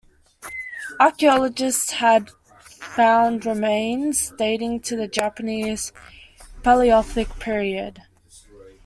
Archaeologists have found remains dating to the Japanese Paleolithic period.